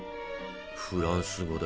フランス語で。